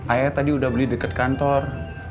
ayo tadi udah beli deket kantor